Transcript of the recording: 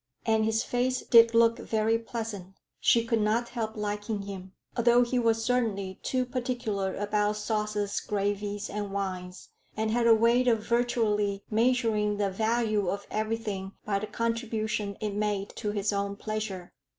And his face did look very pleasant; she could not help liking him, although he was certainly too particular about sauces, gravies, and wines, and had a way of virtually measuring the value of everything by the contribution it made to his own pleasure.